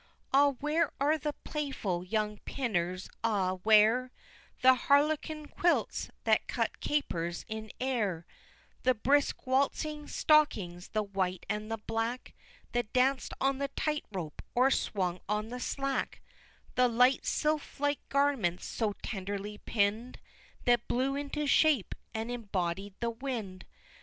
Ah, where are the playful young pinners ah, where The harlequin quilts that cut capers in air The brisk waltzing stockings the white and the black, That danced on the tight rope, or swung on the slack The light sylph like garments, so tenderly pinn'd, That blew into shape, and embodied the wind!